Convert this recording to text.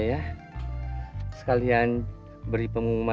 nah silakan petiksa aja